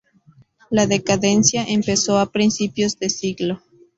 La decadencia empezó a principios de siglo.